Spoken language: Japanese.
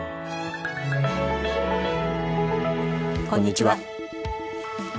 こんにちは。